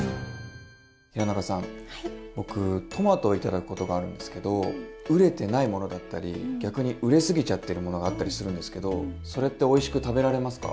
平仲さん僕トマトを頂くことがあるんですけど熟れてないものだったり逆に熟れすぎちゃってるものがあったりするんですけどそれっておいしく食べられますか？